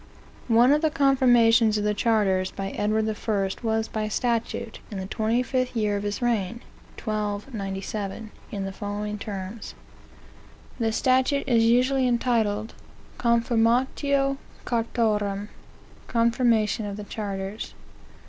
One of the Confirmations of the Charters, by Edward I., was by statute, in the 25th year of his reign, (1297,) in the following terms. The statute is usually entitled. "Confirmatio Cartarum,"(Confirmation of the Charters.)